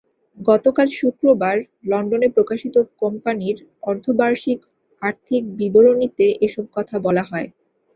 গতকাল শুক্রবার লন্ডনে প্রকাশিত কোম্পানির অর্ধবার্ষিক আর্থিক বিবরণীতে এসব কথা বলা হয়।